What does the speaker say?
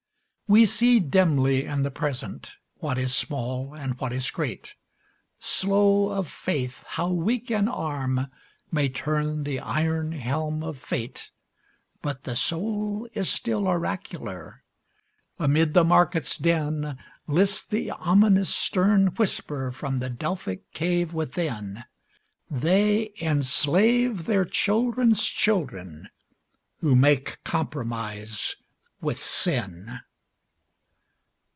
We see dimly in the Present what is small and what is great, Slow of faith how weak an arm may turn the iron helm of fate, But the soul is still oracular; amid the market's din, List the ominous stern whisper from the Delphic cave within,— 'They enslave their children's children who make compromise with sin.